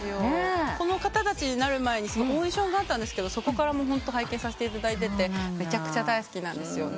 この前にオーディションがあったんですけどそこから拝見させていただいててめちゃくちゃ大好きなんです。